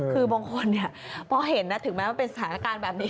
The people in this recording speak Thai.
คือบางคนเนี่ยเพราะเห็นนะถึงแม้เป็นสถานการณ์แบบนี้